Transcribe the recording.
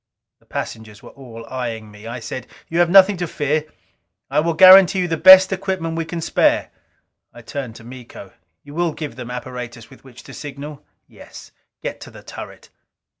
The passengers were all eying me. I said: "You have nothing to fear. I will guarantee you the best equipment we can spare." I turned to Miko. "You will give them apparatus with which to signal?" "Yes. Get to the turret."